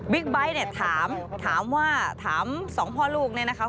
ไบท์เนี่ยถามถามว่าถามสองพ่อลูกเนี่ยนะคะ